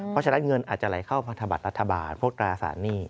เพราะฉะนั้นเงินอาจจะไหลเข้าพันธบัตรรัฐบาลพวกตราสารหนี้